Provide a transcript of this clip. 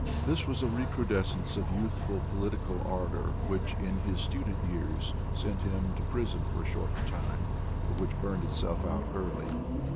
This was a recrudescence of youth ful political ardor, nhich, in his student years, sent him to prison for a short lime, but which burned itself out early.